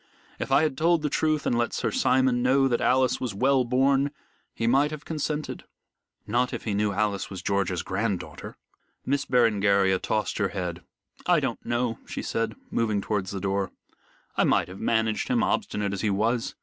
If I had told the truth and let Sir Simon know that Alice was well born, he might have consented." "Not if he knew that Alice was George's grand daughter." Miss Berengaria tossed her head. "I don't know," she said, moving towards the door. "I might have managed him, obstinate as he was.